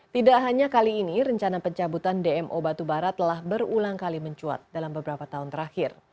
tidak hanya kali ini rencana pencabutan dmo batubara telah berulang kali mencuat dalam beberapa tahun terakhir